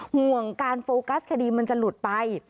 ห่วงการโฟกัสคดีมันจะหลุดไป